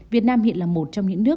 việt nam hiện là một trong những nước